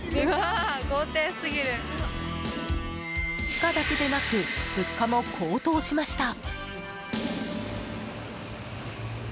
地価だけでなく物価も高騰しました。